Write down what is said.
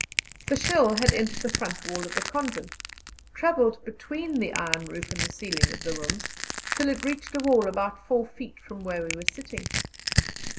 The shell had entered the front wall of the convent, travelled between the iron roof and the ceiling of the rooms, till it reached a wall about 4 feet from where we were sitting.